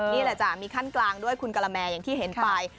นี่แหละจ้ะมีขั้นกลางด้วยคุณกะละแมอย่างที่เห็นไป